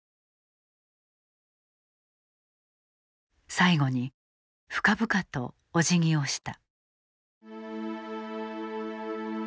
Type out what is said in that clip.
最後に深々とおじぎをした。